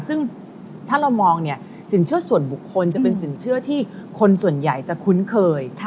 ซึ่งถ้าเรามองเนี่ยสินเชื่อส่วนบุคคลจะเป็นสินเชื่อที่คนส่วนใหญ่จะคุ้นเคย